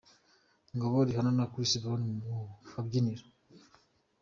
Ngabo, Rihanna na Chris Brown mu kabyiniro.